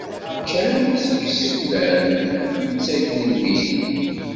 Ččan seg yiseflan i ttaken i lmeyytin.